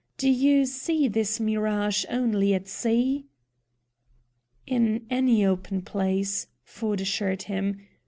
Do you See this mirage only at sea?" "In any open place," Ford assured him.